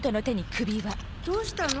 どうしたの？